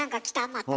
また。